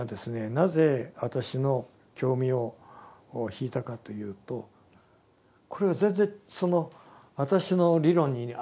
なぜ私の興味を引いたかというとこれは全然その私の理論に合わない。